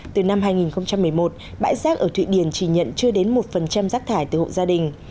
từ năm hai nghìn một mươi một bãi rác ở thụy điển chỉ nhận chưa đến một rác thải từ hộ gia đình